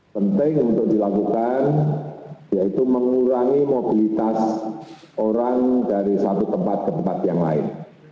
penting untuk dilakukan yaitu mengurangi mobilitas orang dari satu tempat ke tempat yang lain